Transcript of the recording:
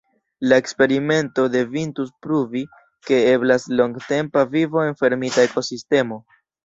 La eksperimento devintus pruvi, ke eblas longtempa vivo en fermita ekosistemo.